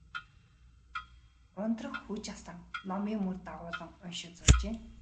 Ундрах хүж асаан, номын мөр дагуулан уншиж суужээ.